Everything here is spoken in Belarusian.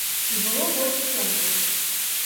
І было больш цёмна.